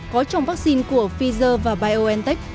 có trong vaccine của pfizer và biontech